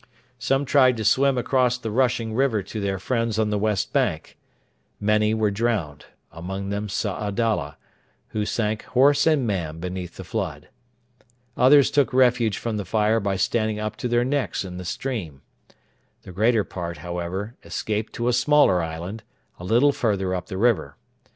Some tried to swim across the rushing river to their friends on the west bank. Many were drowned among them Saadalla, who sank horse and man beneath the flood. Others took refuge from the fire by standing up to their necks in the stream. The greater part, however, escaped to a smaller island a little further up the river.